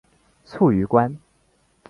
卒于官。